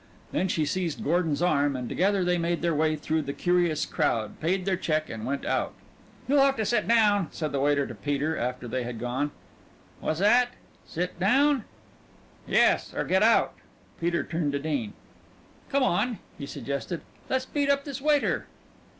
Then she seized Gordon's arm, and together they made their way through the curious crowd, paid their check, and went out. "You'll have to sit down," said the waiter to Peter after they had gone. "What's 'at? Sit down?" "Yes or get out." Peter turned to Dean. "Come on," he suggested. "Let's beat up this waiter."